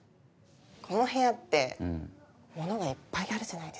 この部屋ってものがいっぱいあるじゃないですか？